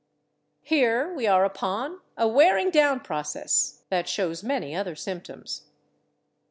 Here we are upon a wearing down process that shows many other symptoms.